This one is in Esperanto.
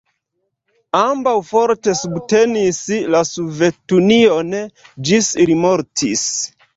Ambaŭ forte subtenis la Sovetunion, ĝis ili mortis.